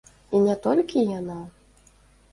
І не толькі яна.